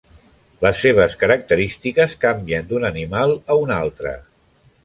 Les seves característiques canvien d'un animal a un altre.